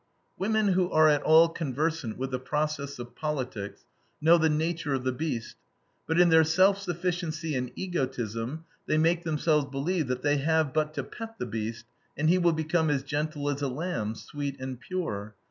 Women who are at all conversant with the process of politics, know the nature of the beast, but in their self sufficiency and egotism they make themselves believe that they have but to pet the beast, and he will become as gentle as a lamb, sweet and pure.